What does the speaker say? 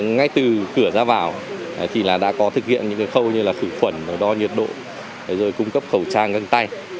ngay từ cửa ra vào thì là đã có thực hiện những cái khâu như là khử phẩn đo nhiệt độ rồi cung cấp khẩu trang găng tay